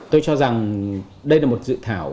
tôi cho rằng đây là một dự thảo